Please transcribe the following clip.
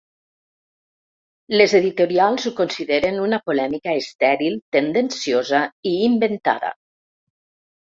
Les editorials ho consideren una polèmica ‘estèril, tendenciosa i inventada’